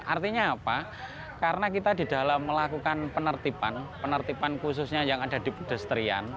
artinya apa karena kita di dalam melakukan penertiban penertiban khususnya yang ada di pedestrian